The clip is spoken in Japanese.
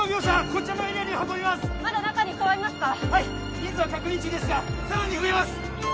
人数は確認中ですがさらに増えます！